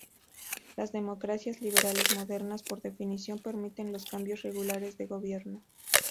Las democracias liberales modernas, por definición, permiten los cambios regulares de gobierno.